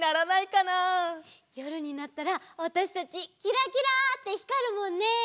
よるになったらわたしたちキラキラってひかるもんね！